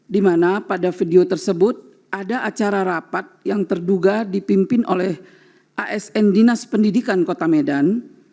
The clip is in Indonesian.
di mana pada video tersebut ada acara rapat yang terduga dipimpin oleh asn dinas pendidikan kota medan